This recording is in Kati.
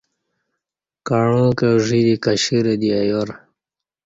کعاں کں ژ ی دی کشییرہ دی ایار